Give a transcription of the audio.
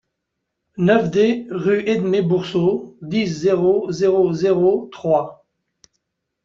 neuf D rue Édmé Boursault, dix, zéro zéro zéro, Troyes